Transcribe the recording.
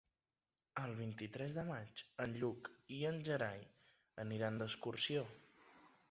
El vint-i-tres de maig en Lluc i en Gerai aniran d'excursió.